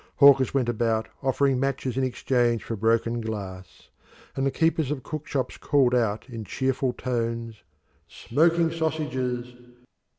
Hawkers went about offering matches in exchange for broken glass, and the keepers of the cook shops called out in cheerful tones, "Smoking sausages!"